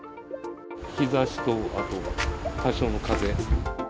日ざしとあと、多少の風。